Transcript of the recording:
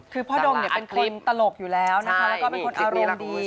คือพ่อดมเป็นคนตลกอยู่แล้วแล้วก็เป็นคนอารมณ์ดี